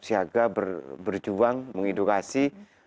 siaga berjuang mengedukasi